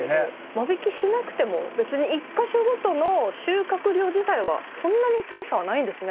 間引きしなくても別に１か所ごとの収穫量自体はそんなに大差はないんですね。